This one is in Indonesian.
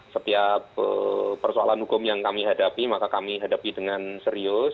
setiap persoalan hukum yang kami hadapi maka kami hadapi dengan serius